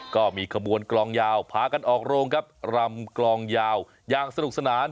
ก็มีขบวนกลองยาวพากันออกโรงครับรำกลองยาวอย่างสนุกสนาน